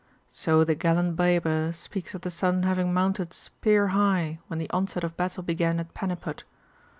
So the gallant Baber speaks of the sun having mounted spear high when the onset of battle began at Paniput.